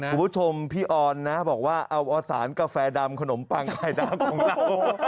คุณผู้ชมพี่ออนนะบอกว่าเอาอสารกาแฟดำขนมปังไข่ดาวของเรา